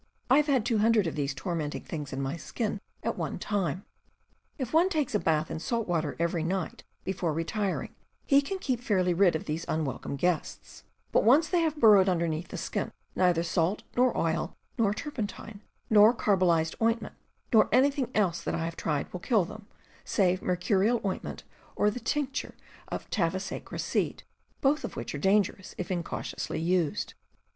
I have had two hundred of these tormenting things in my skin at one time. If one takes a bath in salt water every night before retiring, he can keep fairly rid of these unwelcome guests; but once they have burrowed underneath the skin, neither salt, nor oil, nor turpentine, nor carbolized ointment, nor anything else that I have tried will kill them, save mercurial ointment or the tincture of stavesacre seed, both of which are dan gerous if incautiously used.